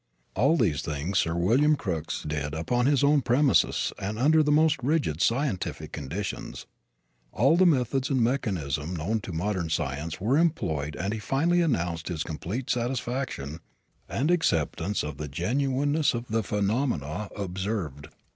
All these things Sir William Crookes did upon his own premises and under the most rigid scientific conditions. All the methods and mechanism known to modern science were employed and he finally announced his complete satisfaction and acceptance of the genuineness of the phenomena observed.